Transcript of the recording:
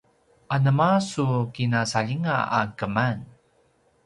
anema su kina saljinga a keman?